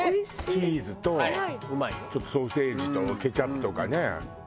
チーズとちょっとソーセージとケチャップとかね。